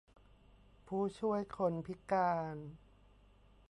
ผู้ช่วยคนพิการ